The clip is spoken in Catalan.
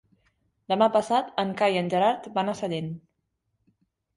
Demà passat en Cai i en Gerard van a Sallent.